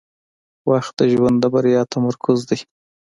• وخت د ژوند د بریا تمرکز دی.